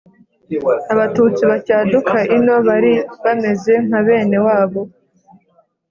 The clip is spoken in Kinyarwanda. abatutsi bacyaduka ino bari bameze nka bene wabo